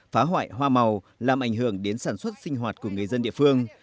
phá hoại hoa màu làm ảnh hưởng đến sản xuất sinh hoạt của người dân địa phương